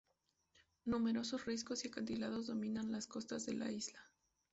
Numerosos riscos y acantilados dominan las costas de la isla.